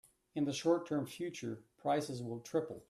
In the short term future, prices will triple.